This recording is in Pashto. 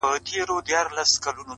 • ډوب سم جهاني غوندي له نوم سره,